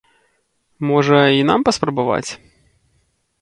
Можа і нам паспрабаваць?